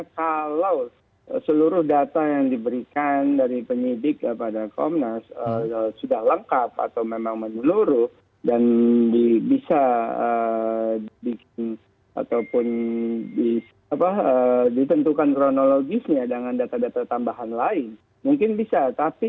karena saya tidak melihat visualnya belum bisa menjawab secara pasti